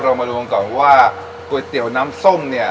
มาดูกันก่อนว่าก๋วยเตี๋ยวน้ำส้มเนี่ย